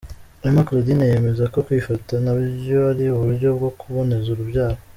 Emma Claudine yemeza ko kwifata nabyo ari uburyo bwo kuboneza urubyaro.